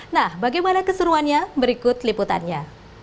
nah bagaimana keseruannya berikut liputannya